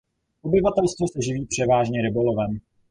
Obyvatelstvo se živí převážně rybolovem.